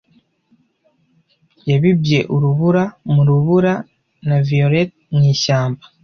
Yabibye urubura mu rubura na violettes mu ishyamba